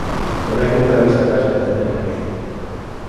Pero hai que botar a vista atrás para entender por que.